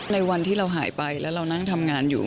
ในวันที่เราหายไปแล้วเรานั่งทำงานอยู่